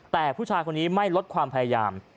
แต่ผู้ชายคนนี้ไม่ลดความพยายาม